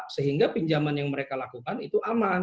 sehingga pinjaman yang mereka lakukan itu aman